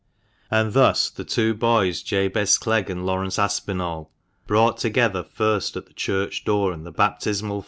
And thus the two boys, Jabez Clegg and Laurence Aspinall, brought together first at the church go THE MANCHESTER MAN.